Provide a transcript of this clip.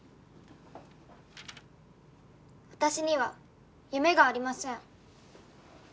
「私には夢がありません」